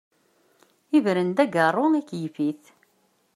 Ibren-d agaru, ikyef-it.